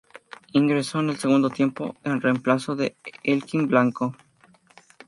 Ingresó en el segundo tiempo en reemplazo de Elkin Blanco.